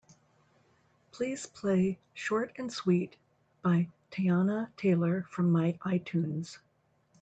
Please play Short And Sweet by Teyana Taylor from my itunes.